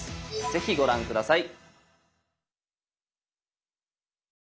是非ご覧下さい。